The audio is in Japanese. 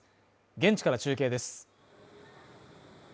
現地から中継です。